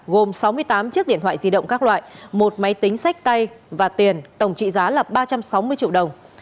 gồm sáu mươi tám chiếc điện thoại di động các loại một máy tính sách tay và tiền tổng trị giá là ba trăm sáu mươi triệu đồng